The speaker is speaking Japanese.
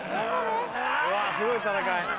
うわすごい戦い。